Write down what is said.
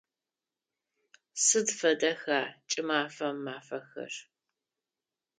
Сыд фэдэха кӏымафэм мафэхэр?